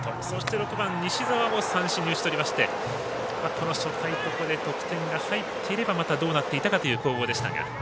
６番西澤も三振に打ち取って初回ここで得点が入っていればまたどうなっていたかという攻防でしたが。